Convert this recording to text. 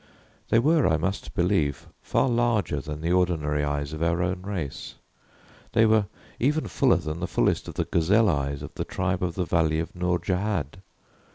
They were, I must believe, far larger than the ordinary eyes of our own race. They were even fuller than the fullest of the gazelle eyes of the tribe of the valley of Nourjahad.